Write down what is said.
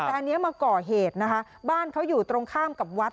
แต่อันนี้มาก่อเหตุนะคะบ้านเขาอยู่ตรงข้ามกับวัด